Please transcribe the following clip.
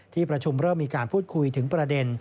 ที่ประชุมเริ่มมีการพูดคุยถึงประเด็น